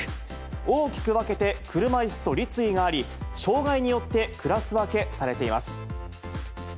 大きく分けて、車いすと立位があり、障がいによってクラス分けされています。